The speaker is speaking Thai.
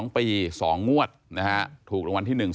๒ปี๒งวดนะฮะถูกรางวัลที่๑